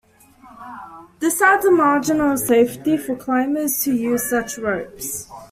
This adds a margin of safety for climbers who use such ropes.